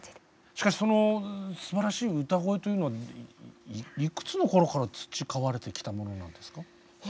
しかしそのすばらしい歌声というのはいくつの頃から培われてきたものなんですか？